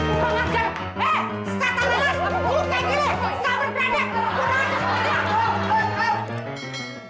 kurang asis perangkat